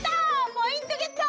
ポイントゲット！